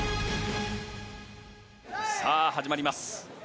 さあ、始まります。